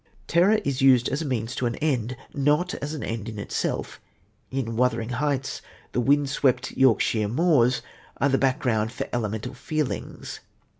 Terror is used as a means to an end, not as an end in itself. In Wuthering Heights the windswept Yorkshire moors are the background for elemental feelings.